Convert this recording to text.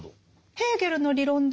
ヘーゲルの理論上